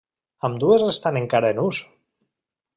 Ambdues estan encara en ús.